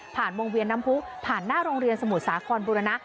วงเวียนน้ำพุผ่านหน้าโรงเรียนสมุทรสาครบุรณะ